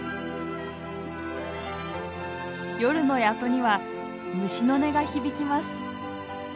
夜の谷戸には虫の音が響きます。